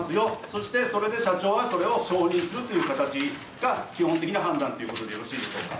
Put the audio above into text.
そして、社長はそれを承認するという形が基本的な判断ということでよろしいですか。